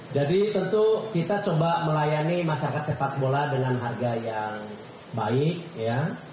jadi tentu kita coba melayani masyarakat sepak bola dengan harga yang baik ya